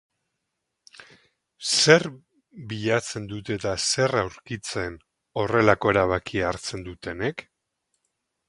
Zer bilatzen dute eta zer aurkitzen horrelako erabakia hartzen dutenek?